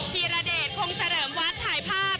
ทีระเด็นนคงเสริมวัดถ่ายภาพ